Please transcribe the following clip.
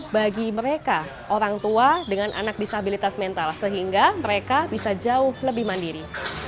bagi mereka orang tua dengan anak disabilitas mental sehingga mereka bisa jauh lebih mandiri